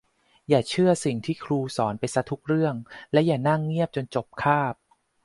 อย่าเชื่อสิ่งที่ครูสอนไปซะทุกเรื่องและอย่านั่งเงียบจนจบคาบ